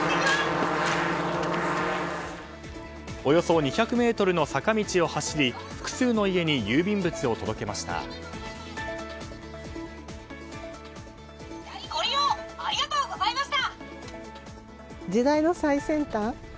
およそ２００ｍの坂道を走り複数の家に郵便物を届けました。